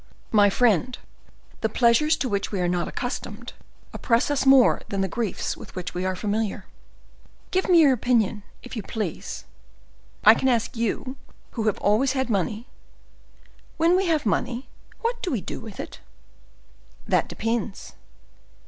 "My friend, the pleasures to which we are not accustomed oppress us more than the griefs with which we are familiar. Give me your opinion, if you please. I can ask you, who have always had money: when we have money, what do we do with it?" "That depends."